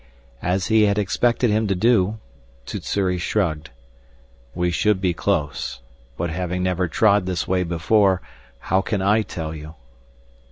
As he had expected him to do, Sssuri shrugged. "We should be close. But having never trod this way before, how can I tell you?"